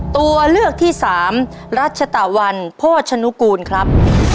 ตัวเลือกที่สามรัชตะวันโภชนุกูลครับ